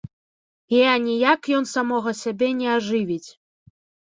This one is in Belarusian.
І аніяк ён самога сябе не ажывіць.